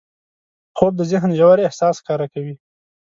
خوب د ذهن ژور احساس ښکاره کوي